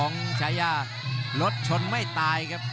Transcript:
และอัพพิวัตรสอสมนึก